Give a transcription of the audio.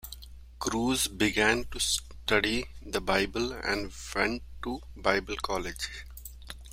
Cruz began to study the Bible and went to Bible college.